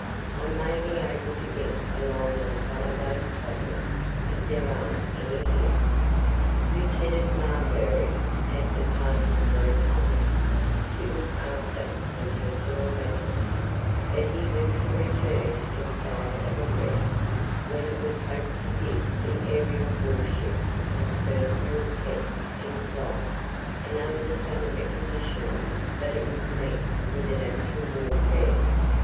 "I may be able to get a line on some of those plotters, if there are any here." Lieutenant Marbury had departed for a time, to look after some personal matters, but he was to return inside of a week, when it was hoped to give the aerial warship its first real test in flight, and under some of the conditions that it would meet with in actual warfare.